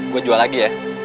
gua jual lagi ya